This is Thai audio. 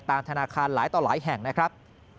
ธนาคารหลายต่อหลายแห่งนะครับ